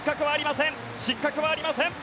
失格はありません。